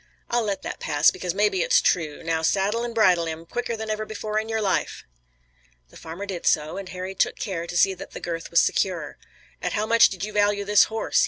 "I'll let that pass, because maybe it's true. Now, saddle and bridle him quicker than ever before in your life." The farmer did so, and Harry took care to see that the girth was secure. "At how much did you value this horse?"